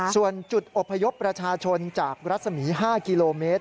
ส่วนจุดอบพยพประชาชนจากรัศมี๕กิโลเมตร